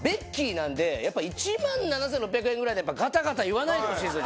なんで１万７６００円ぐらいでガタガタ言わないでほしいですよ。